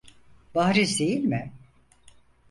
Bariz değil mi?